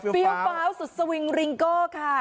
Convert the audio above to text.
เฟียลฟาวสุดสวิงริงโก้ค่ะ